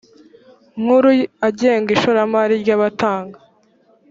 nkuru agenga ishoramari ry abatanga